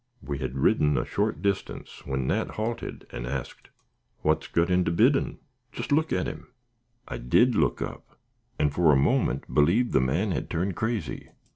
We had ridden a short distance when Nat halted and asked: "What's got into Biddon? Just look at him!" I did look up, and for a moment believed the man had turned crazy.